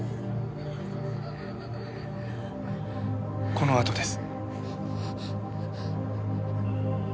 このあとです。